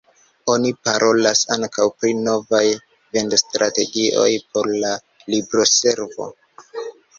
Oni parolas ankaŭ pri novaj vendostrategioj por la libroservo.